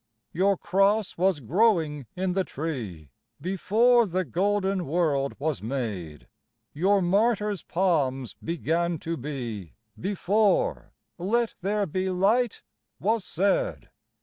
Your cross was growing in the tree Before the golden world was made ; Your martyr's palms began to be Before " Let there be Light " was said.